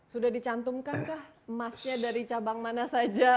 sudah dicantumkan kah emasnya dari cabang mana saja